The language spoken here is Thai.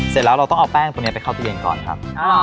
เสร็จแล้วเราต้องเอาแป้งตัวนี้ไปเข้าตัวเองก่อนครับ